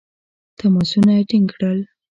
تماسونه ټینګ کړل.